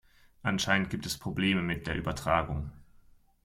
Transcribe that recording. Anscheinend gibt es Probleme mit der Übertragung.